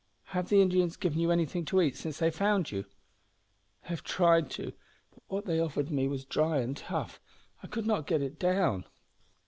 "Have the Indians given you anything to eat since they found you?" "They have tried to, but what they offered me was dry and tough; I could not get it down."